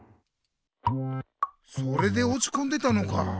それでおちこんでたのか。